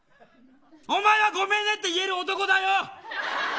おまえはごめんねって言える男だよ。